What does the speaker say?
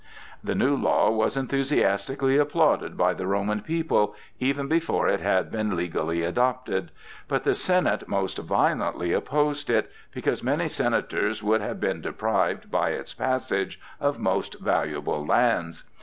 The new law was enthusiastically applauded by the Roman people, even before it had been legally adopted; but the Senate most violently opposed it, because many Senators would have been deprived by its passage of most valuable lands.